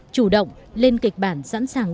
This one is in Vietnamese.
chủ động lên kịch bản sẵn sàng